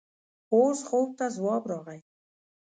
اوس خوب ته ځواب راغی.